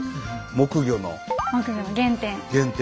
木魚の原点。